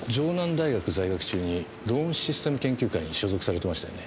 大学在学中にローンシステム研究会に所属されてましたよね？